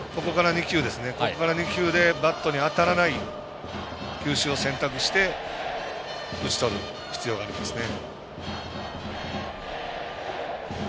ここから２球でバットに当たらない球種を選択して打ち取る必要がありますね。